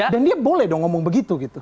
dan dia boleh dong ngomong begitu gitu